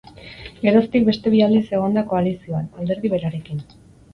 Geroztik, beste bi aldiz egon da koalizioan, alderdi berarekin.